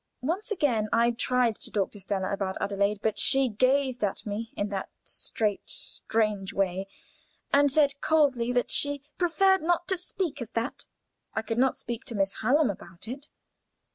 Once again I tried to talk to Stella about Adelaide, but she gazed at me in that straight, strange way, and said coldly that she preferred not to speak of "that." I could not speak to Miss Hallam about it.